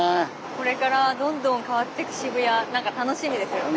これからどんどん変わってく渋谷なんか楽しみですよね。